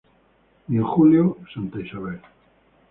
Y en julio, Santa Isabel.